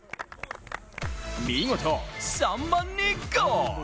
見事３番にゴール！